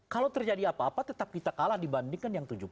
kalau terjadi apa apa tetap kita kalah dibandingkan yang tujuh belas